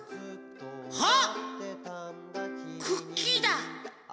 あっクッキーだ。